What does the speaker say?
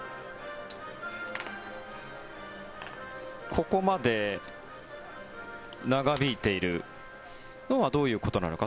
ここまで長引いているのはどういうことなのか。